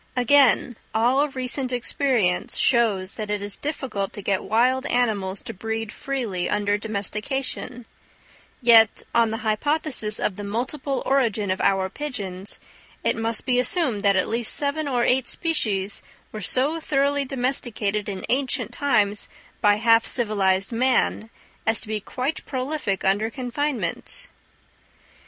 Again, all recent experience shows that it is difficult to get wild animals to breed freely under domestication; yet on the hypothesis of the multiple origin of our pigeons, it must be assumed that at least seven or eight species were so thoroughly domesticated in ancient times by half civilized man, as to be quite prolific under confinement.